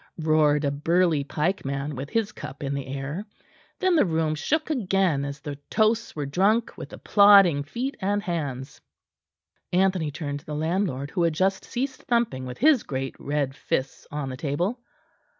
roared a burly pikeman with his cup in the air. Then the room shook again as the toasts were drunk with applauding feet and hands. Anthony turned to the landlord, who had just ceased thumping with his great red fists on the table.